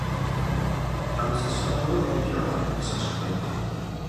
Allo stesso modo ordinò alcuni sacerdoti.